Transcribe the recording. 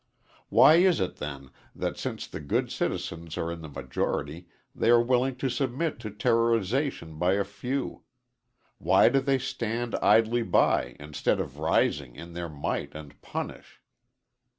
Why is it, then, that since the good citizens are in the majority, they are willing to submit to terrorization by a few? Why do they stand idly by instead of rising in their might and punish?